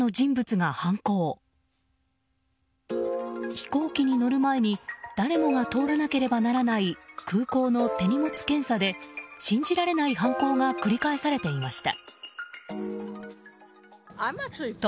飛行機に乗る前に誰もが通らなければならない空港の手荷物検査で信じられない犯行が繰り返されていました。